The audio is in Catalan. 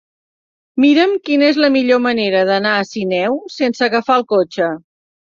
Mira'm quina és la millor manera d'anar a Sineu sense agafar el cotxe.